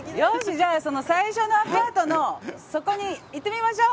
じゃあその最初のアパートのそこに行ってみましょう！